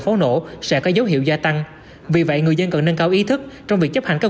pháo nổ sẽ có dấu hiệu gia tăng vì vậy người dân cần nâng cao ý thức trong việc chấp hành các